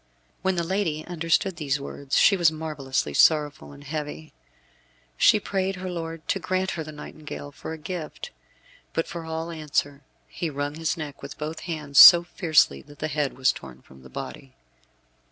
When the lady understood these words she was marvellously sorrowful and heavy. She prayed her lord to grant her the nightingale for a gift. But for all answer he wrung his neck with both hands so fiercely that the head was torn from the body.